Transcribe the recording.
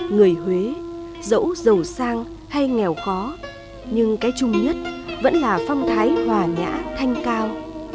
người huế dẫu giàu sang hay nghèo khó nhưng cái chung nhất vẫn là phong thái hòa nhã thanh cao